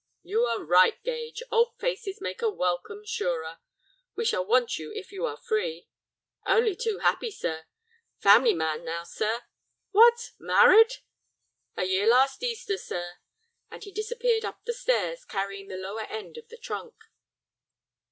"You are right, Gage. Old faces make a welcome surer. We shall want you if you are free." "Only too happy, sir. Family man now, sir." "What, married!" "A year last Easter, sir," and he disappeared up the stairs, carrying the lower end of the trunk.